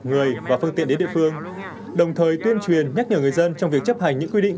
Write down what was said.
người và phương tiện đến địa phương đồng thời tuyên truyền nhắc nhở người dân trong việc chấp hành những quy định